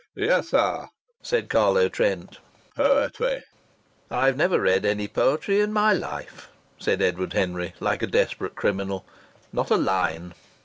"Yes, sir," said Carlo Trent. "Poetry." "I've never read any poetry in my life," said Edward Henry, like a desperate criminal. "Not a line."